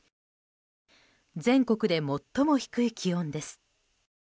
全国で最も低い気温です。